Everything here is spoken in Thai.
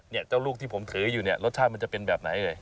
เจ้าลูกที่ผมถืออยู่เนี่ยรสชาติมันจะเป็นแบบไหนเอ่ย